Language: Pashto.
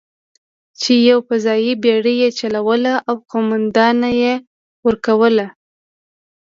چې یوه فضايي بېړۍ یې چلوله او قومانده یې ورکوله.